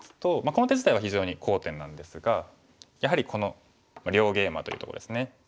この手自体は非常に好点なんですがやはりこの両ゲイマというとこですね。